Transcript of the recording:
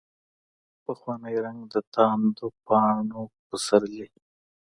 پخوانی رنګ، دتاندو پاڼو پسرلي